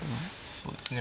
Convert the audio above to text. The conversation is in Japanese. そうですね